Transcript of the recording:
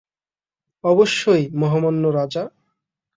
অবশ্যই, মহামান্য রাজা।